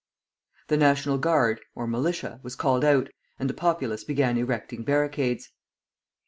The National Guard (or militia) was called out, and the populace began erecting barricades.